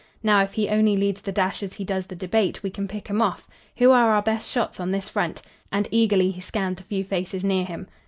Now, if he only leads the dash as he does the debate, we can pick him off. Who are our best shots on this front?" and eagerly he scanned the few faces near him.